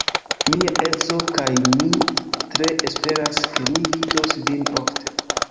Mia edzo kaj mi tre esperas, ke ni vidos vin ofte.